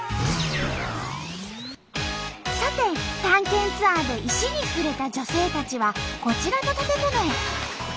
さて探検ツアーで石に触れた女性たちはこちらの建物へ。